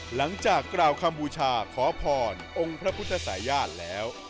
หลังจากกล่าวคำบูชาขอพรองค์พระพุทธศายาทแล้ว